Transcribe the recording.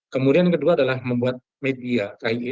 kemudian yang kedua adalah membuat media kie